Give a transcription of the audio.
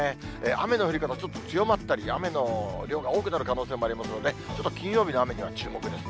雨の降り方、ちょっと強まったり、雨の量が多くなる可能性もありますので、ちょっと金曜日の雨には注目です。